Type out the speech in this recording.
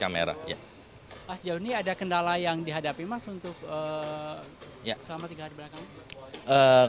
mas joni ada kendala yang dihadapi mas untuk selama tiga hari belakang